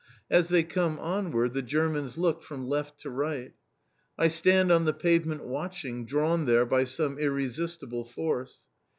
As they come onward, the Germans look from left to right. I stand on the pavement watching, drawn there by some irresistible force.